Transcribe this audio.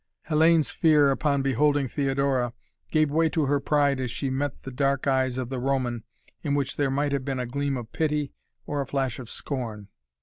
Hellayne's fear upon beholding Theodora gave way to her pride as she met the dark eyes of the Roman in which there might have been a gleam of pity or a flash of scorn.